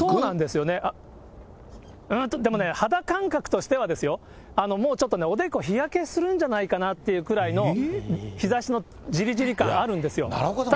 でもね、肌感覚としては、もうちょっとおでこ日焼けするんじゃないかなっていうぐらいの日ざしのじりじり感あるんですよ。